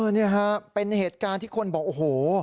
นี่ฮะเป็นเหตุการณ์ที่คนบอกโอ้โห